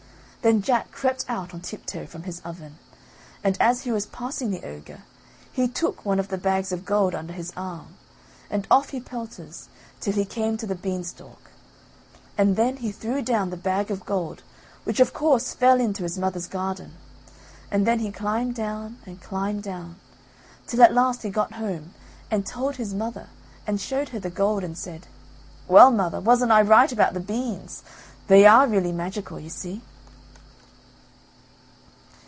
Then Jack crept out on tiptoe from his oven, and as he was passing the ogre he took one of the bags of gold under his arm, and off he pelters till he came to the beanstalk, and then he threw down the bag of gold which of course fell in to his mother's garden, and then he climbed down and climbed down till at last he got home and told his mother and showed her the gold and said: "Well, mother, wasn't I right about the beans. They are really magical, you see."